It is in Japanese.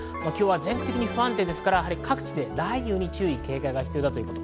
全国的に不安定ですから、各地で雷雨に注意・警戒が必要です。